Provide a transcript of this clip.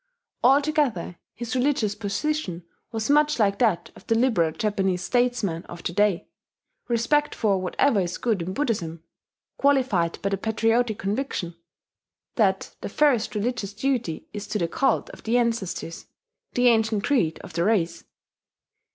Altogether his religious position was much like that of the liberal Japanese statesman of to day, respect for whatever is good in Buddhism, qualified by the patriotic conviction that the first religious duty is to the cult of the ancestors, the ancient creed of the race....